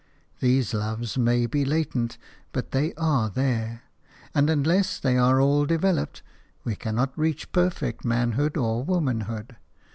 These loves may be latent, but they are there; and unless they are all developed we cannot reach perfect manhood or womanhood.